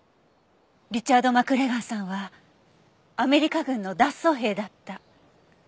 リチャード・マクレガーさんはアメリカ軍の脱走兵だった。